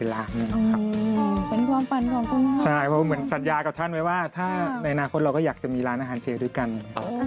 แล้วตัวคุณกรเองทานอาหารเจด้วยไหมคะ